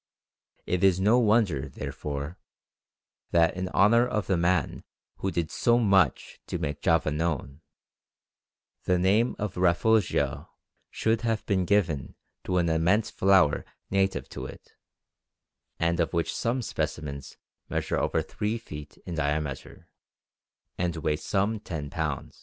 It is no wonder, therefore, that in honour of the man who did so much to make Java known, the name of Rafflesia should have been given to an immense flower native to it, and of which some specimens measure over three feet in diameter, and weigh some ten pounds.